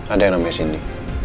ada yang namanya cindy